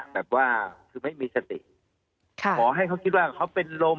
แบบว่าคือไม่มีสติขอให้เขาคิดว่าเขาเป็นลม